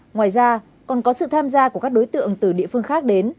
ngoài ra còn có sự tham gia của các đối tượng từ địa phương khác đến